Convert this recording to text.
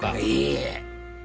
いいえ。